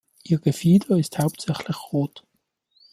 Ihr Gefieder ist hauptsächlich rot.